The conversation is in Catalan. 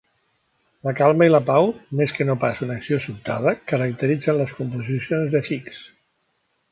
La calma i la pau, més que no pas una acció sobtada, caracteritzen les composicions de Hicks.